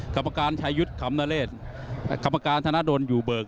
คำประการชายุทธิ์คำนาเลชน์คำประการธนาดนตร์อยู่เบิก